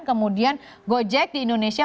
kemudian gojek di indonesia